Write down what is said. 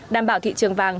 đảm bảo thị trường vàng